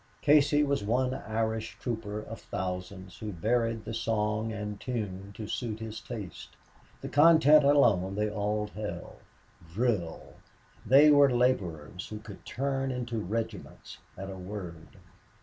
Casey was one Irish trooper of thousands who varied the song and tune to suit his taste. The content alone they all held. Drill! They were laborers who could turn into regiments at a word.